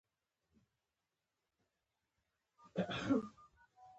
هغه غوږ ونه نیوه.